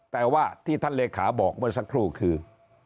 แต่ว่าที่ท่านเลขาบอกเมื่อสักครู่คือ